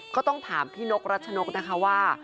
ก็ต้องถามพี่นกรัชนกนะคะว่า